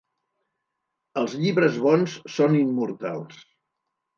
Els llibres bons són immortals.